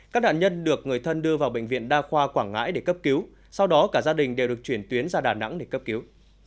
các đạn nhân được người thân đưa vào bệnh viện đa khoa quảng ngãi để cấp cứu sau đó cả gia đình đều được chuyển tuyến ra đà nẵng để cấp cứu